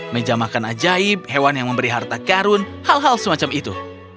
meja makan ajaib hewan yang memberi harta karun hal hal semacam itu